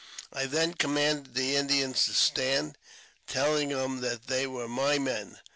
I then commanded the Indians to stand, telling them that they were my men.